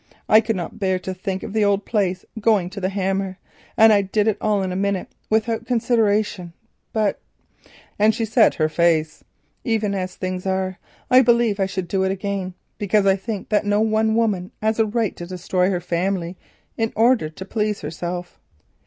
I could not bear to think of the old place going to the hammer, and I did it all in a minute without consideration; but," and she set her face, "even as things are, I believe I should do it again, because I think that no one woman has a right to destroy her family in order to please herself.